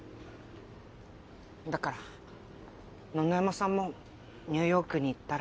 だから野々山さんもニューヨークに行ったら。